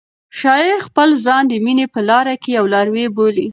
شاعر خپل ځان د مینې په لاره کې یو لاروی بولي.